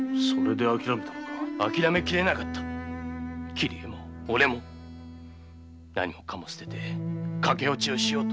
桐江も俺も何もかも捨てて駆け落ちをしようと！